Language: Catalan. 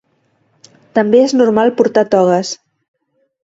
També es normal portar togues.